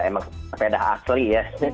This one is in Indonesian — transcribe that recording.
emang sepeda asli ya